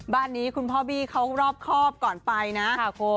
บ้านนี้คุณพ่อบี้เขารอบครอบก่อนไปนะ